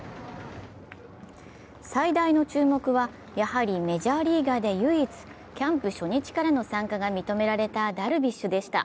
最大の注目は、やはりメジャーリーガーで唯一キャンプ初日からの参加が認められたダルビッシュでした。